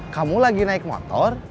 kamu lagi naik motor